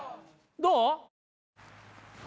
どう？